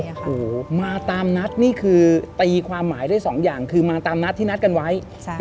โอ้โหมาตามนัดนี่คือตีความหมายได้สองอย่างคือมาตามนัดที่นัดกันไว้ใช่